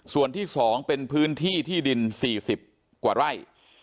ส่วนที่๒เป็นพื้นที่ที่ดิน๔๐กว่าไร่